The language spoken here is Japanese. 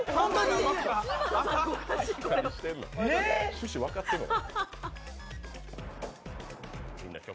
趣旨分かってんのか？